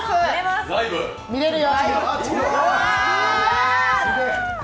見れるよ。